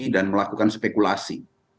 dan melakukan spekulasi